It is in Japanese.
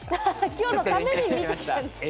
今日のために見てきたんですか。